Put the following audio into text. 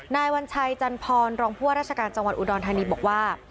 นายวัญชัยจันพรรองผู้ว่าราชการจังหวัดอุดรธานีบอกว่า